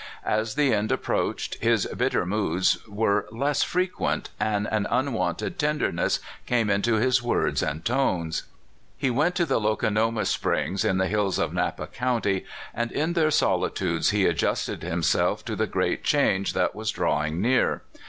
As the end approached, his bitter moods were less frequent, and an unwonted tenderness came into his words and tones. He went to the Lokonoma Springs, in the hills of Napa county, and in their solitudes he adjusted himself to the great change that was drawing near.